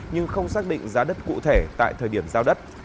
nhưng không xác định giá đất cụ thể tại thời điểm giao đất